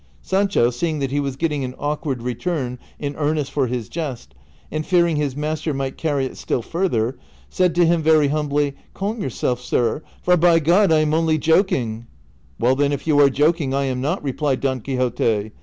Sancho seeing that he was getting an awkward return in earnest for his jest, and fearing his master might carry it still further, said to him very humbly, " Calm yourself, sir. for by God I am only joking." "Well, then, if you are joking I am not," replied Don Quixote.